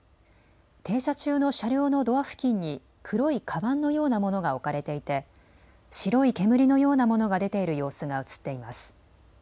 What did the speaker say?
停車中の車両のドア付近に黒いかばんのようなものが置かれていて白い煙のようなものが出ている様子が写っています。